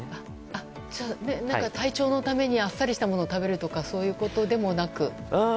体調のためにあっさりしたものを食べるとかそういうことでもなく。